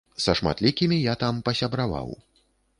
Са шматлікімі я там пасябраваў.